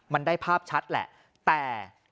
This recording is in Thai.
มันได้ภาพชัดแหละแต่